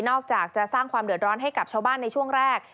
อกจากจะสร้างความเดือดร้อนให้กับชาวบ้านในช่วงแรก